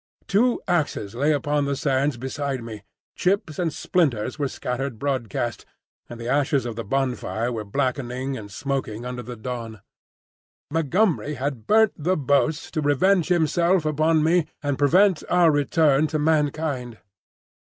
Two axes lay upon the sands beside me; chips and splinters were scattered broadcast, and the ashes of the bonfire were blackening and smoking under the dawn. Montgomery had burnt the boats to revenge himself upon me and prevent our return to mankind!